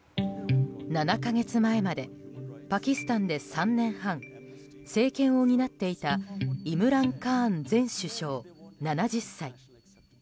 ７か月前までパキスタンで３年半政権を担っていたイムラン・カーン前首相７０歳。